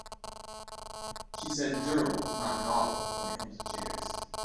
She said durable not novel when it comes to chairs.